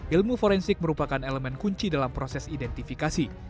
ilmu forensik merupakan elemen kunci dalam proses identifikasi